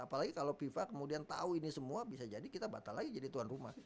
apalagi kalau fifa kemudian tahu ini semua bisa jadi kita batal lagi jadi tuan rumah